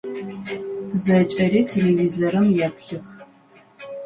Зэкӏэри телевизорым еплъых.